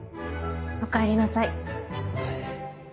おかえりなさい。